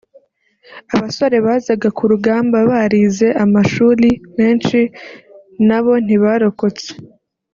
Abasore bazaga ku rugamba barize amashuli menshi nabo ntibarokotse